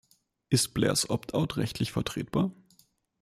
Ist Blairs Opt-out rechtlich vertretbar?